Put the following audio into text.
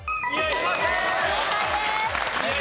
正解です。